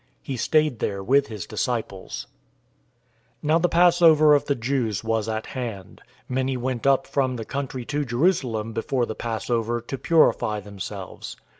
He stayed there with his disciples. 011:055 Now the Passover of the Jews was at hand. Many went up from the country to Jerusalem before the Passover, to purify themselves.